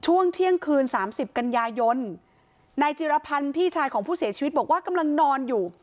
ช่วงเที่ยงคืนสามสิบกันยายนนายจิรพันธ์พี่ชายของผู้เสียชีวิตบอกว่ากำลังนอนอยู่